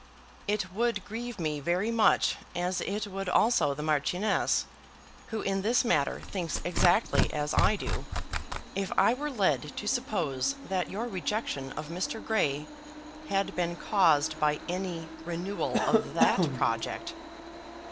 It would grieve me very much, as it would also the Marchioness, who in this matter thinks exactly as I do, if I were led to suppose that your rejection of Mr. Grey had been caused by any renewal of that project.